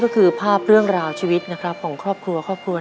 แล้วก็คือภาพเรื่องราวชีวิตของครอบครัว๑